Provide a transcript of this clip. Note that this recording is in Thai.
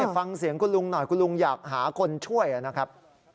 ฟังเสียงคุณลุงหน่อยคุณลุงอยากหาคนช่วยนะครับ